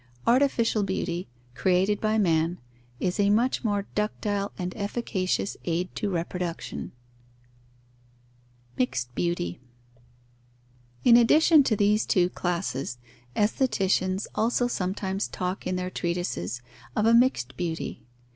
Artificial beauty, created by man, is a much more ductile and efficacious aid to reproduction. Mixed beauty. In addition to these two classes, aestheticians also sometimes talk in their treatises of a mixed beauty.